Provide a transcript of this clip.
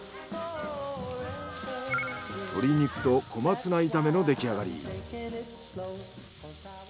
鶏肉と小松菜炒めの出来上がり。